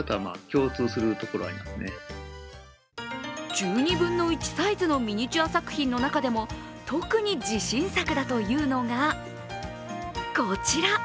１２分の１サイズのミニチュア作品の中でも特に自信作だというのがこちら。